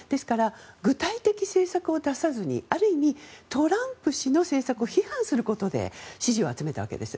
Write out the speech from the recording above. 具体的な政策を出さずにある意味、トランプ氏の政策を批判することで支持を集めたわけです。